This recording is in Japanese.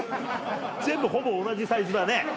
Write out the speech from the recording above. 全部ほぼ同じサイズだね。